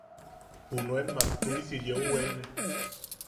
Junuen jumak tuʼisi yeu weene.